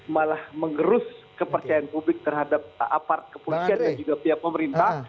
malah mengerus kepercayaan publik terhadap apart kepolisian dan juga pihak pemerintah